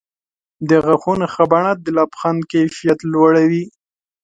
د غاښونو ښه بڼه د لبخند کیفیت لوړوي.